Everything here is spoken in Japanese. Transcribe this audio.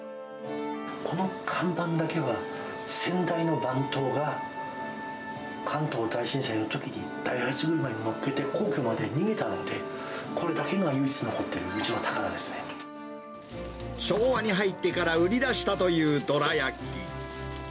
この看板だけは、先代の番頭が、関東大震災のときに、大八車にのっけて皇居まで逃げたので、これだけが唯一残っている、昭和に入ってから売り出したというどら焼き。